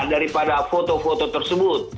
daripada foto foto tersebut